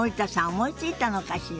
思いついたのかしら。